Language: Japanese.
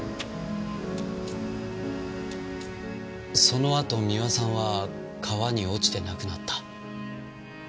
そのあと三輪さんは川に落ちて亡くなった。